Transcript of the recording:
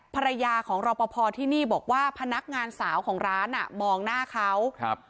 ภรรยาของรอปภที่นี่บอกว่าพนักงานสาวของร้านอ่ะมองหน้าเขาครับ